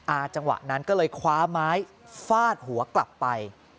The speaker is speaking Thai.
จังหวะนั้นก็เลยคว้าไม้ฟาดหัวกลับไป